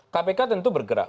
kpk tentu bergerak